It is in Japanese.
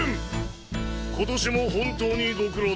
今年も本当にご苦労だった。